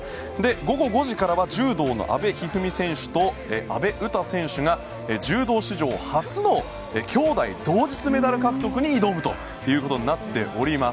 午後５時からは柔道の阿部一二三選手と阿部詩選手が、柔道史上初の兄妹同日メダル獲得に挑むということになっております。